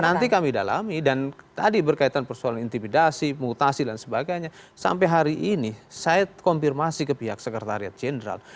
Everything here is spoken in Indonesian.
nanti kami dalami dan tadi berkaitan persoalan intimidasi mutasi dan sebagainya sampai hari ini saya konfirmasi ke pihak sekretariat jenderal